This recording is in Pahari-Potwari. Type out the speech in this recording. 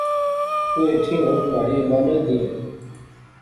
تو ایتھیں ہن مہاڑی امانت دئیں